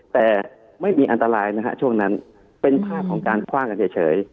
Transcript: แต่ไม่มีอันตรายนะฮะช่วงนั้นเป็นภาพของการคว่างกันเฉย